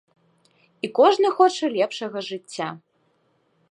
І кожны хоча лепшага жыцця.